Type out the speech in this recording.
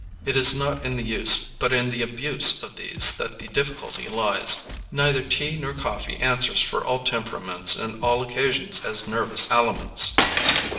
It is not in the use but in the abuse of these that the difficulty lies. Neither tea nor coffee answers for all temperaments and all occasions as nervous aliments.